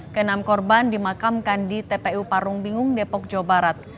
kenam korban dimakamkan di tpu parung bingung depok jawa barat